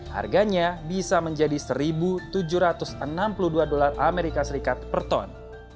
harganya bisa menjadi satu tujuh ratus enam puluh dua dolar as per ton